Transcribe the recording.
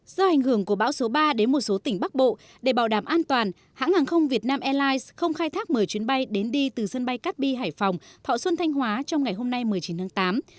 do ảnh hưởng của bão số ba đến một số tỉnh bắc bộ để bảo đảm an toàn hãng hàng không việt nam airlines không khai thác một mươi chuyến bay đến đi từ sân bay cát bi hải phòng thọ xuân thanh hóa trong ngày hôm nay một mươi chín tháng tám